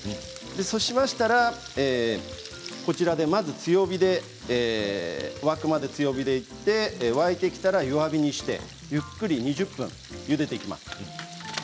そうしましたら、まず強火で沸くまで強火で沸いたら弱火にしてゆっくり２０分ゆでていきます。